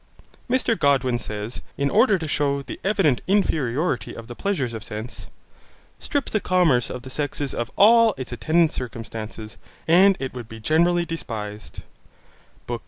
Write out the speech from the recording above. Mr Godwin says, in order to shew the evident inferiority of the pleasures of sense, 'Strip the commerce of the sexes of all its attendant circumstances, and it would be generally despised' (Bk.